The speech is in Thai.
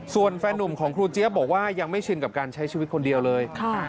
ส่วนแฟนนุ่มของครูเจี๊ยบบอกว่ายังไม่ชินกับการใช้ชีวิตคนเดียวเลย